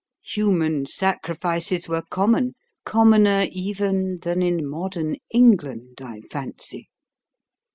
Human sacrifices were common commoner even than in modern England, I fancy.